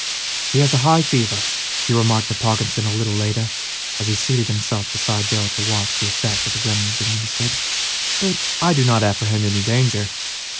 "He has a high fever," he remarked to Parkinson a little later, as he seated himself beside Darrell to watch the effect of the remedies administered, "but I do not apprehend any danger.